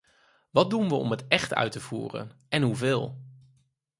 Wat doen we om het echt uit te voeren, en hoeveel?